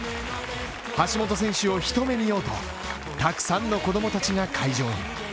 橋本選手を一目見ようとたくさんの子供たちが会場に。